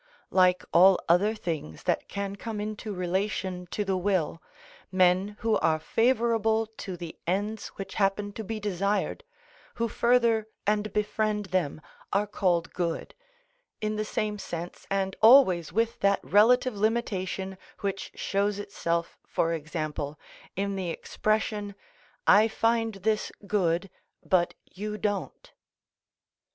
Like all other things that can come into relation to the will, men who are favourable to the ends which happen to be desired, who further and befriend them, are called good, in the same sense, and always with that relative limitation, which shows itself, for example, in the expression, "I find this good, but you don't."